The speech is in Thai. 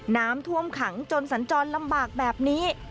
น้ำท่วมขังจนสัญจรลำบากแบบนี้